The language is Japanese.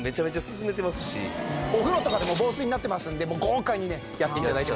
お風呂とかでも防水になってますんで豪快にねやって頂いてもいいと思います。